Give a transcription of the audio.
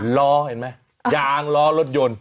ล้อเห็นไหมยางล้อรถยนต์